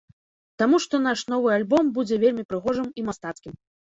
Таму што наш новы альбом будзе вельмі прыгожым і мастацкім.